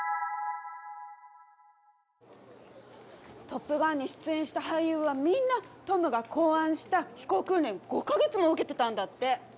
「トップガン」に出演した俳優はみんなトムが考案した飛行訓練５か月も受けてたんだって！